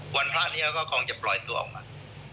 พระนี้ก็คงจะปล่อยตัวออกมา